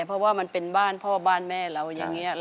เพราะว่ามันเป็นบ้านพ่อบ้านแม่เราอย่างนี้